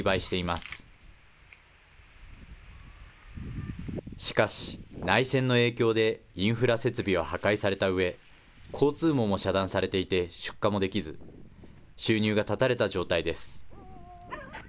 しかし、内戦の影響でインフラ設備を破壊されたうえ、交通網も遮断されていて、出荷もできず、収入が断たれた状態です。